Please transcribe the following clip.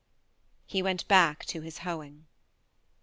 He went back to his hoeing.